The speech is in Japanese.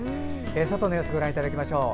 外の様子ご覧いただきましょう。